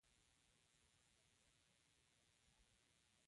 د تودوخې د انرژي یوه اندازه تولید کړې ده.